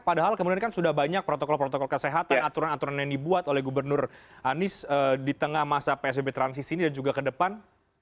padahal kemudian kan sudah banyak protokol protokol kesehatan aturan aturan yang dibuat oleh gubernur anies di tengah masa psbb transisi ini dan juga ke depan